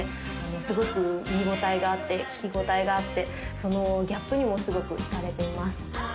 すごく見応えがあって聴き応えがあってそのギャップにもすごくひかれています